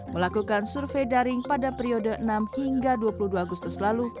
melakukan survei daring pada periode enam hingga dua puluh dua agustus lalu